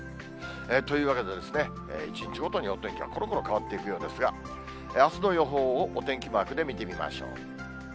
というわけでですね、１日ごとにお天気がころころ変わっていくようですが、あすの予報をお天気マークで見てみましょう。